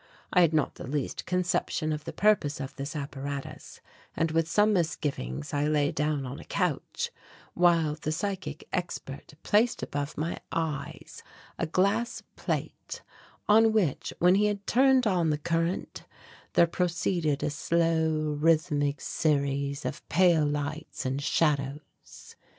I had not the least conception of the purpose of this apparatus and with some misgivings I lay down on a couch while the psychic expert placed above my eyes a glass plate, on which, when he had turned on the current, there proceeded a slow rhythmic series of pale lights and shadows.